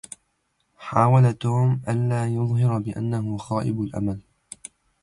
حاول توم أن لا يظهر بأنه خائب الأمل.